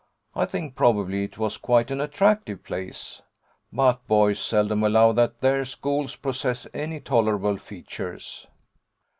I think probably it was quite an attractive place, but boys seldom allow that their schools possess any tolerable features.